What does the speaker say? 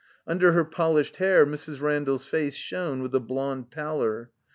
Under her polished hair Mrs. Ran dall's face shone with a blond pallor.